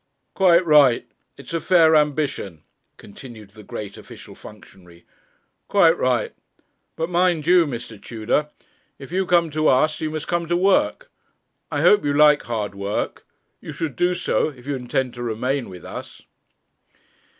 'Quite right it is a very fair ambition,' continued the great official functionary 'quite right but, mind you, Mr. Tudor, if you come to us you must come to work. I hope you like hard work; you should do so, if you intend to remain with us.'